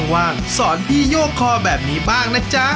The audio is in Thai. ว่างสอนพี่โย่งคอแบบนี้บ้างนะจ๊ะ